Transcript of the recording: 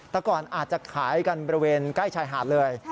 แต่ก่อนอาจจะขายกันบริเวณใกล้ชายหาดเลย